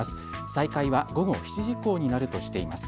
再開は午後７時以降になるとしています。